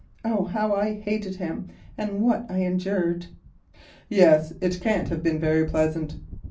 Oh, how I hated him, and what I endured!" "Yes, it can't have been very pleasant."